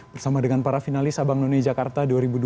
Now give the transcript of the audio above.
bersama dengan para finalis abang none jakarta dua ribu dua puluh